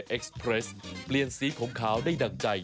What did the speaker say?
ใช่ค่ะนี่เพิ่งเป็นข่าวโอเคโอเค